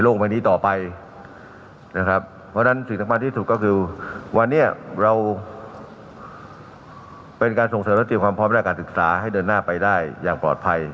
และการศึกษาให้เดินหน้าไปได้อย่างปลอดภัย